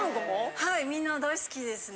はいみんな大好きですね。